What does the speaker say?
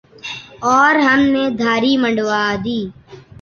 اور ہم نے دھاڑی منڈوادی ۔